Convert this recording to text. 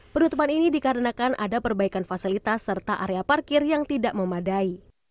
penutupan ini dikarenakan ada perbaikan fasilitas serta area parkir yang tidak memadai